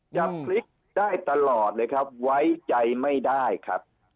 จะพลิกได้ตลอดเลยครับไว้ใจไม่ได้ครับ